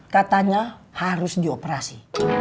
katanya harus dioperasi